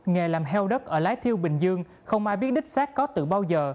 nghề làm heo đất ở lái thiêu bình dương không ai biết đích xác có từ bao giờ